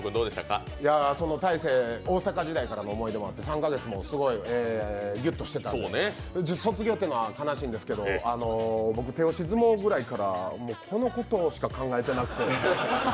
その大晴、大阪時代からの思い出もあって３か月もすごいギュッとしてたんで、卒業っていうのは悲しいんですけど、僕、手押し相撲くらいからこのことしか考えてなくて。